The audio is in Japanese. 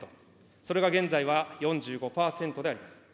それが現在は４５％であります。